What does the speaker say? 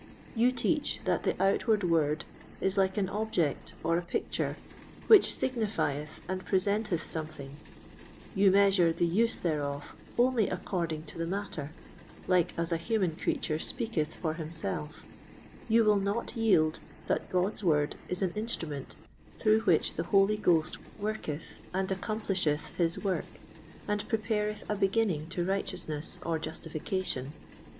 You teach that the outward Word is like an object or a picture, which signifieth and presenteth something; you measure the use thereof only according to the matter, like as a human creature speaketh for himself; you will not yield that God's Word is an instrument through which the Holy Ghost worketh and accomplisheth his work, and prepareth a beginning to righteousness or justification.